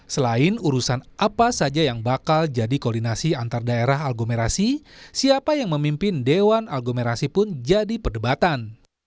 selain urusan apa saja yang bakal jadi koordinasi antar daerah aglomerasi siapa yang memimpin dewan aglomerasi pun jadi perdebatan